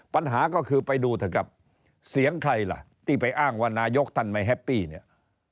ปัญหาก็คือไปดูเถอะครับเสียงใครล่ะที่ไปอ้างว่านายกท่านไม่แฮปปี้เนี่ย